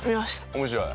面白い？